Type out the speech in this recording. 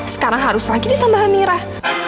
sekarang harus lagi ditambah merah